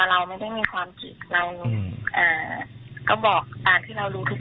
คือเราสังคมออนไลน์มาเล่นแบบนี้อยากจะถามเหมือนกันว่าจะมาให้ตอนที่ในสังคมหรือหรอ